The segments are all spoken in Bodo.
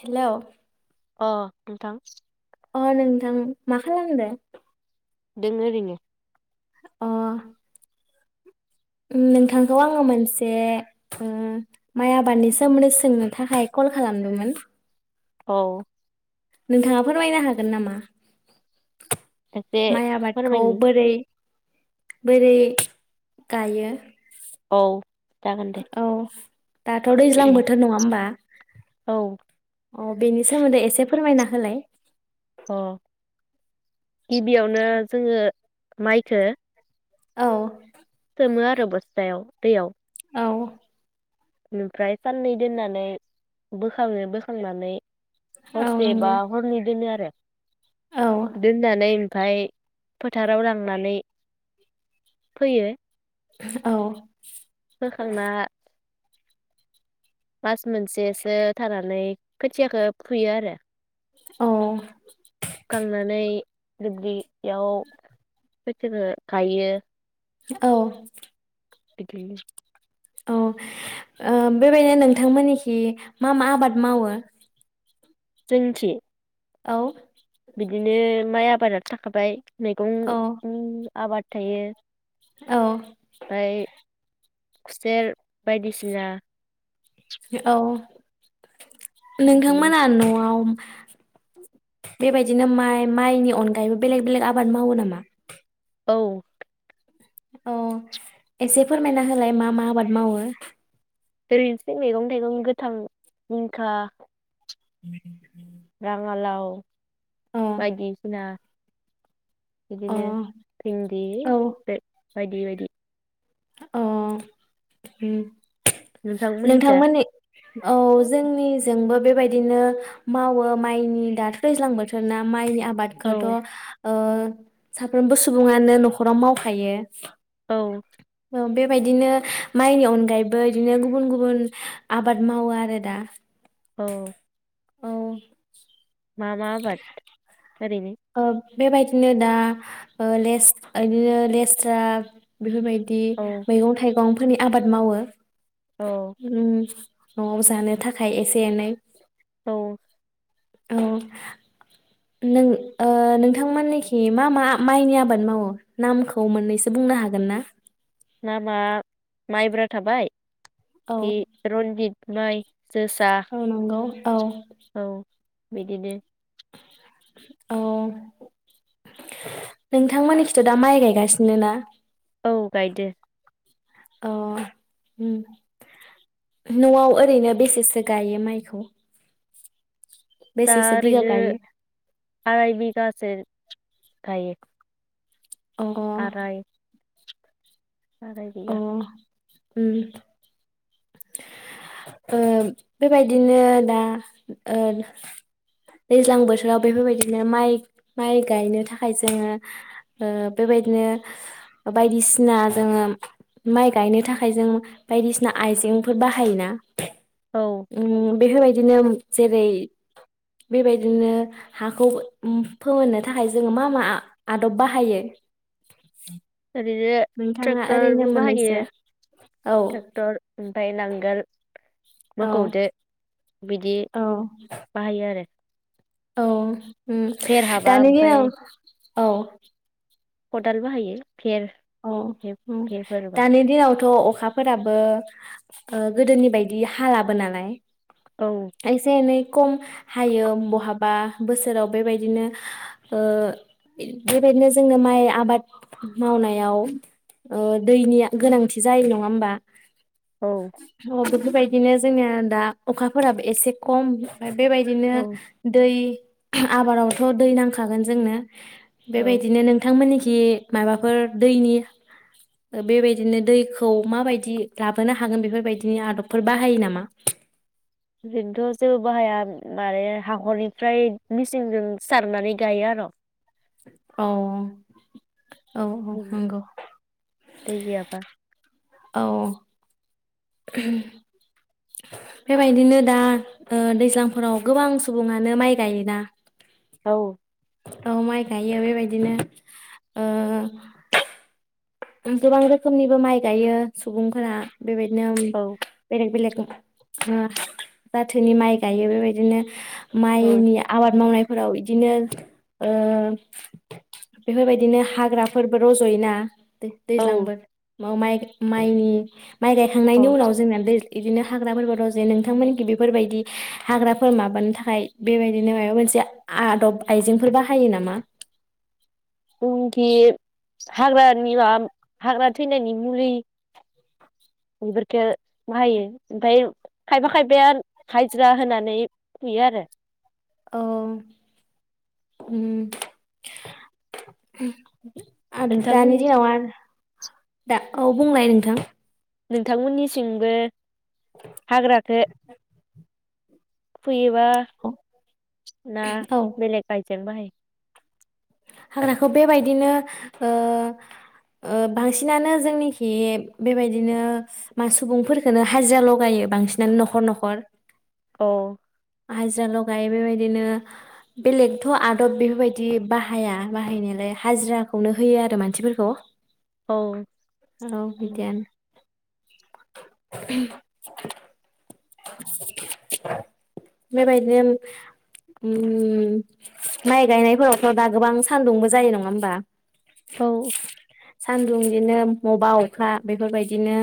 हेल' अ नोंथां। अ नोंथां मा खालामदों? दोङो आरैनो। अ ओम नोंथांखौ आङो मोनसे ओ माइ आबादनि सोमोन्दै सोंनो थाखाय कल खालामदोंमोन औ नोंथाङा फोरमायनो हागोन नामा? एसे माइ आबादखौ फोरमायनि बोरै बोरै गायो? औ। जागोन दे औ। दाथ' दैज्लां बोथोर नङा होमबा औ अ बेनि सोमोन्दै एसे फोरमायना होलाय। अ गिबियावनो जोङो माइखो औ सोमो आरो बस्थायाव दैयाव औ ओमफ्राय साननै दोननानै बोखाङो बोखांनानै औ हरसे नंगौ बा हरनै दोनो आरो औ दोन्नानै ओमफाय फोथाराव लांनानै फोयो औ फोखांना मास मोनसेसो थानानै खोथियाखौ फुयो आरो औ फुखांनानै दुब्लियाव फोथोरो गायो औ लांदां औ ओ बेबायदिनो नोंथांमोननिखि मा मा आबाद मावो जोंनिथि औ बिदिनो माइ आबादा थाखाबाय मैगं औ उ आबाद थायो औ खुसेेर बायदिसिना लांदां बिदिनो नोंथांमोना नआव बेबायदिनो माइ माइनि अनगायैबो बेलेग बेलेग आबाद मावो नामा औ औ एसे फोरमायना होलाय मा मा आबाद मावो ओरैनोसो मैगं थाइगं गोथांखा [unintelligible] राङा लाव अ बायदिसिना अ बिदिनो भिनदि औ [unintelligible] बायदि बायदि अ उम नोंथांमोननि औ जोंनिजोंबो बेबायदि बिदिनो मावो माइनि दाथ दैज्लां बोथोरना माइनि आबादखोथ औ ओ साफ्रोमबो सुबुङानो नखराव मावखायो। औ बेबायदिनो माइनि अनगायैबो बिदिनो गुबुन गुबुन आबाद मावो आरो दा। औ औ मा मा आबाद। ओरैनो। ओ बेबायदिनो दा लेस इदिनो लेस्रा बेफोरबायदि औ दि मैगं थाइगं फोरनि आबाद मावो। औ उम नआवबो जानो थाखाय एसे एनै औ औ नों ओ नोंथांमोननिखि मा मा माइनि आबाद मावो नामखौ मोननैसो बुंनो हागोन ना। नामआ माइब्रा थाबाय। औ रन्जित बुनाय औ नंगौ। औ औ बिदिनो औ नोंथांमोननिखिथ दा माइ गायगासिनो ना? औ गायदो। अ नआव ओरैनो बेसेसो गायो माइखौ? दा बेसेसो बिगा ओरैनो गायो आराय बिगासो गायो। अ आराय आराय अ बिगा। उम। ओ बेबायदिनो दा ओ दैज्लां बोथोराव बेफोरबायदिनो माइ माइ गायनो थाखाय जोङो ओ बेबायदिनो बायदिसिना जोङो माइ गायनो थाखाय जों बायदिसिना आइजें फोर बाहायोना? औ उम बेफोरबायदिनो जेरै बेबायदिनो हाखौ फोमोननो थाखाय जोङो मा मा आदब बाहायो? ओरैनो नोंथाङा ओरैनो ट्रेक्टरबो बाहायो। मोननैसो औ टेक्टर, आमफ्राय नांगोल औ मोखौदो बिदि औ बाहायो आरो। औ ओ फेर हाबा दानि दिनाव ओमफ्राय औ। खदाल बाहायो। फेर औ औ फेरफोरबा दानि दिनावथ अखाफोराबो ओ गोदोनि बायदि हालाबो नालाय औ एसे एनै खम हायो बहाबा बोसोराव बेबायदिनो ओ बेबायदिनो जोंनो माइ आबाद मावनाय आव दैनि गोनांथि जायो नङा होमबा? औ। बेबायदिनो जोंनिया दा अखाफोराबो एसे खम ओमफ्राय बेबायदिनो औ दै आबादावथ दै नांखागोन जोंनो औ बेबायदिनो नोंथांमोननिथिं [unintelligible] माबाफोर दैनि बेबायदिनो दैखौ माबायदि लाबोनो हागोन बेफोरबायदिनि आदबफोर बाहायो नामा? जोंथ जेबो बाहाया माने हाखरनिफ्राय मेसिनजों सारनानै गायो आरो अ औ औ नंगौ। दै गैयाबा औ। बेबायदिनो दा ओ दैज्लांफोराव गोबां सुबुङानो माइ गायोना? औ। औ माइ गायो बेबायदिनो ओ गोबां रोखोमनिबो माइ गायो सुबुंफोरा बेबायदिनो औ बेलेग बेलेग [unintelligible] ओ जाथोनि माइ गायो बेबायदिनो औ माइनि आबाद मावनाय फोराव इदिनो बेफोरबायदिनो हाग्राफोरबो रजयो ना दै औ दैज्लांबो म माइ माइनि माइ गायखांनायनि औ उनाव जोंना दै बिदिनो हाग्राफोरबो द जे नोंथांमोनखि बेफोरबायदि हाग्राफोर माबानो थाखाय बेबायदिनो माबा मोनसे आदब आइजेंफोर बाहायो नामा? जोंखि हाग्रानि माबा हाग्रा थैनायनि मुलि बेफोरखौ बाहायो ओमफफ्राय खायफा खायफाया हाजिरा होनानै फुयो आरो अ उम आ नोंथांमोन दानिदिनाव आरो दा औ बुंनाय नोंथां नोंथांमोननिसिंबो हाग्राखौ फैयो माबा ना औ बेलेग आायजें बाहायो। हाग्राखौ बेबायदिनो ओ ओ बांसिनानो जोंनिखि बेबायदिनो मा सुबुंफोरफोरखौनो हाजिरा लगायो बांसिनानो न'खर न'खर औ। हाजिरा ल गायो बेबायदिनो बेलेगथ आदब बेफोरबायदि बाहाया बाहायनायालाय हाजिराखौनो होयो आरो मानसिफोरखौ औ औ बिदियानो। उम। बेबायदिनो माइ गायनायफोरावथ दा गोबां सान्दुंबो जायो नङा होमबा औ। सान्दुं बिदिनो बबेबा अखा बेफोरबायदिनो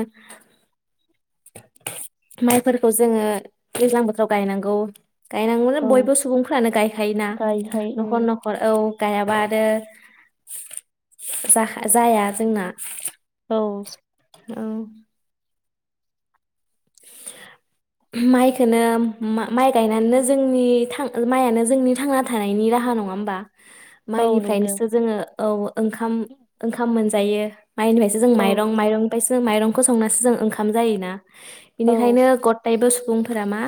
माइ। फोरखौ जोङो दैज्लां बोथोराव गायनांगौ। गायनांगोन औ बयबो सुबुंफ्रानो गायखायोना गायहाय न'खर न'खर औ गायाबा। आरो जाया जोंना औ। औ। माइखो माइ गायनानैनो जोंनि थां माइयानो जोंनि थांना थानायनि राहा नङा होमबा। औ नंगौ माइनिफ्रायनोसो जोङो। औ। ओखाम ओंखाम मोनसे। जायो। माइ होननिफ्रायसो जों औ माइरं माइरनिफ्रायसो माइरंखौ संनासो जों। ओंखाम जायोना। औ बेनिखायनो गथायबो। सुबुंफोरा मा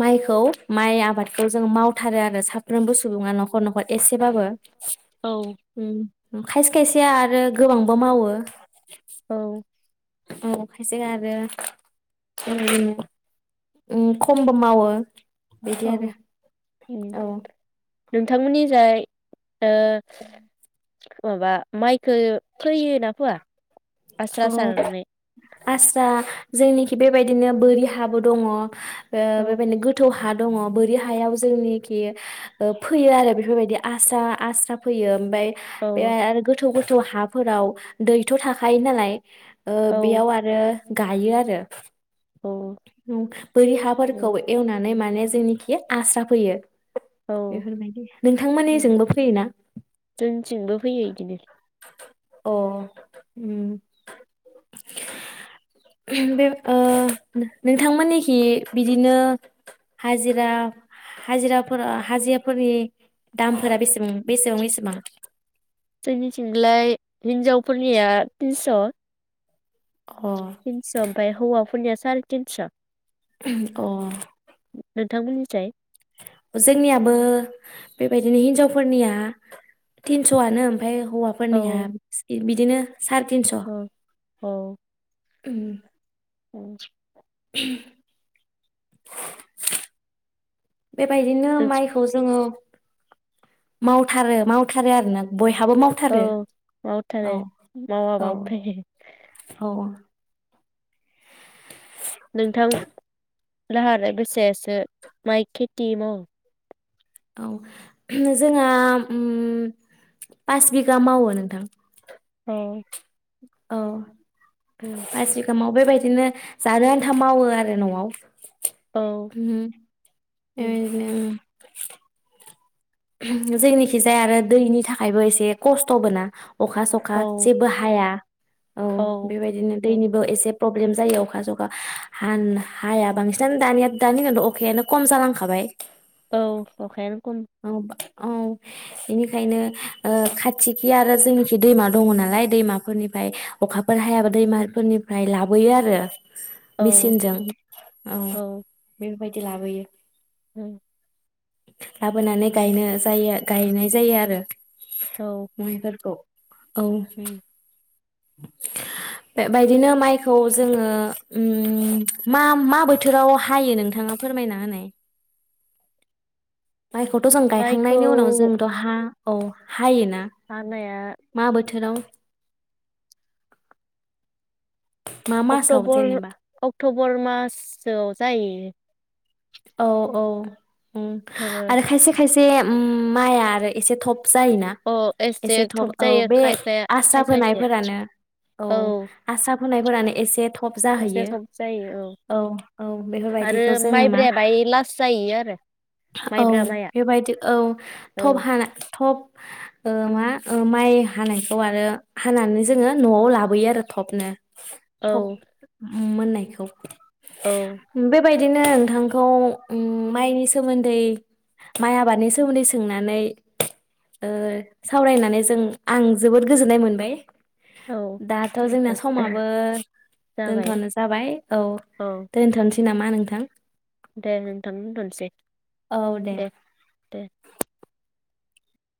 माइखौ माइ आबादखौ जों मावथारो आरो साफ्रोमबो सुबुङा न'खर न'खर। एसेबाबो। औ खायसे खायसेया आरो गोबांबो मावो। औ। औ अखायजों आरो खमबो मावो। बिदि औ उम आरो नोंथांमोननि जाय ओ। माबा माइखो फोयोना फोया? आस्रा औ अ सारनानै। आस्रा जोंनिखि बेबायदिनो बोरि हाबो दङ। ओ औ बेबायदिनो गोथौ हा दङ बोरि हायाव जोंनिखि ओ फोयो आरो बेफोरबायदि आस्रा आस्रा फैयो। ओमफ्राय औ बे आरो गोथौ गो थौ हाफोराव दैथ थाखायो नालाय औ बेयाव आरो गाइयो आरो औ उम बोरि हाफोरखौ उम एवनानै मा ने जोंनिखि आस्रा फोयो। औ बेफोरबायदि उम नोंथांमोननिजोंबो फोयोना? जोंनिथिंबो फैयो इदिनो अ उम। बे ओ नोंथांमोननिखि बिदिनो हाजिरा हाजिराफोर ओ हाजिराफोरनि दामफोरा बेसेबां? बेसेबां बेसेबां? जोंनिथिंलाय हिनजावफोरनिया तिनस' अ तिनस' ओमफ्राय हौवाफोरनिया साराय तिनस'। अ। नोंथांमोननिसाय जोंनियाबो बेबायदिनो हिनजावफोरनिया तिनस' आनो ओमफ्राय हौवाफोरनिया बिदिनो साराय तिनस' ओ औ। उम। अ। [inaudible] बेबायदिनो माइखौ जोङो मावथारो मावथारो आरो ना बय हाबो औ मावथारो औ मावथारो औ मावाबा उफाय गैया। औ। नोंथां लाहारो बेसेसो माइ खेथि मावयो? औ जोंहा उम पास बिगा मावो नोंथां। औ औ उम बास बिगा मावो बेबादि बिदिनो जानो आन्था मावो आरो नआव। औ उम ओं उम इदिनो ओं [inaudible] जोंनिखिजा आरो दैनि थाखायबो एसे खस्थबो ना। अखा सखा औ जेबो हाया। औ बेबायदिनो औ दैनिबो एसे प्रब्लेम जायो अखा सखा हान हाया बांसिनानो दानिया दानि दिनाव अखायानो खम जालांखाबाय। औ अखायानो कम। औ औ बेनिखायनो ओ खाथिखि आरो जोंनिखि दैमा दङ नालाय दैमाफोरनिफ्राय अखाफोर हायाबा दैमाफोरनिफ्राय लाबोयो आरो औ मेचिनजों औ बे बायदि लाबोयो‌ उम लाबोनानै गायनो जायो गायनाय जायो आरो औ माइफोरखौ। औ उम बेबायदिनो माइखौ जोङो उम मा मा बोथोराव हायो नोंथाङा फोरमायना होनाय माइखौथ जों गायखांनायनि उनाव माइखौ जोंथ हा औ हायोना हानाया मा बोथोराव मा मासाव अक्टबर जेनेबा अक्टबर माससो जाहैयो। औ औ उम अक्ट'बर आरो खायसे खायस माइआ आरो एसे थब जायोना अ एसे थब औ जायो बे खायफाया आसा खायसे खायसे फोनायफोरानो औ आसा हानाय फोरानो एसे थब थब एसे जाहैयो थब जायो औ औ आरो बेफोरबायदिखौ जोङो मा माइब्राया बाय लास्ट जायो आरो औ माइब्रा माइआ बेबायदि औ थब औ हाना थब ओ मा-माइ हानायखौ आरो हानानै जोङो नआव लाबोयो आरो थबनो। औ ओम मोननायखौ औ बेबाय दिनो नोंथां खौ माइनि सोमोन्दै माइ आबादनि सोमोन्दै सोंनानै ओ सावरायनानै जों आं जोबोद गोजोननाय मोनबाय औ दाथ जोंना नोंथां समाबो जाबाय दोनथनो जाबाय औ दोनथनो स नामा नोंथां दे नोंथां दोनथनोसै औ दे दे